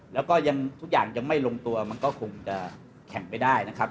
แล้วก็ยังทุกอย่างยังไม่ลงตัวมันก็คงจะแข่งไปได้นะครับ